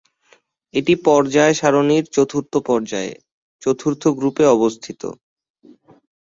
এটি পর্যায় সারণীর চতুর্থ পর্যায়ে, চতুর্থ গ্রুপে অবস্থিত।